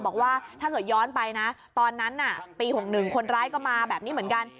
บอกว่าถ้าเกิดย้อนไปนะตอนนั้นปี๖๑คนร้ายก็มาแบบนี้เหมือนกัน